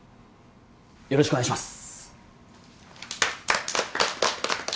よろしくお願いします。